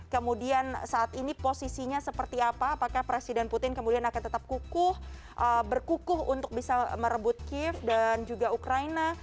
kemudian saat ini posisinya seperti apa apakah presiden putin kemudian akan tetap kukuh berkukuh untuk bisa merebut kiev dan juga ukraina